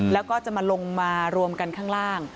แล้วก็จะมาลงมารวมกันข้างล่าง